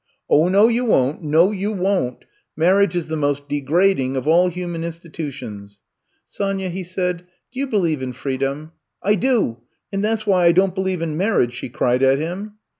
0h, no, you won't; no, you won'tl Marriage is the most degrading of all hu man institutions. ''Sonya," he said, do you believe in freedom t ''*' I do, and that 's why I don 't believe in marriage," she cried at him.